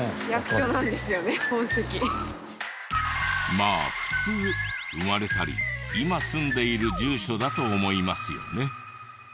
まあ普通生まれたり今住んでいる住所だと思いますよね。